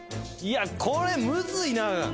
いやこれムズいな！